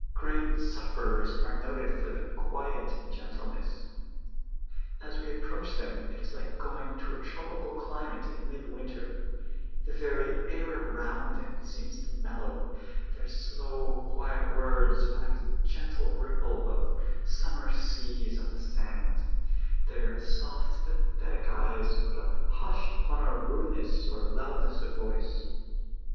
Great sufferers are noted for their quiet gentle ness. As we approach them, it is like going to a tropical climate in mid winter ; the very air around them seems mellow ; their slow, quiet words are like the gentle ripple of summer seas on the sand ; their soft, pathetic eyes put a hush upon our rudeness or loudness of voice.